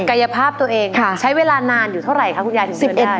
กายภาพตัวเองใช้เวลานานอยู่เท่าไหร่คะคุณยายถึง๑๑นาที